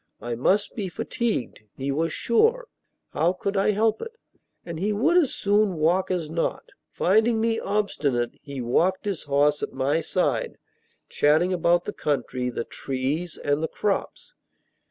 I must be fatigued, he was sure, how could I help it? and he would as soon walk as not. Finding me obstinate, he walked his horse at my side, chatting about the country, the trees, and the crops.